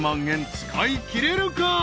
円使いきれるか？］